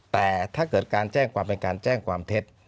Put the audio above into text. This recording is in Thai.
แต่ถ้าเกิดการแจ้งความเป็นการแจ้งความเท็จ